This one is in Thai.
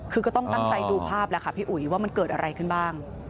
คือก็ต้องตั้งใจดูภาพแล้วค่ะพี่อุ๋ยว่ามันเกิดอะไรขึ้นบ้าง